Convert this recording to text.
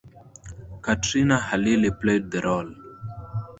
Katrina Halili played the role.